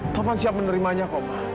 taufan siap menerimanya ma